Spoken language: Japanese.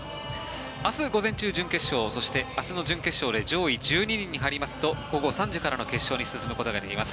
明日午前中、準決勝そして、明日の準決勝で上位１２人に入りますと午後３時からの決勝に進むことができます。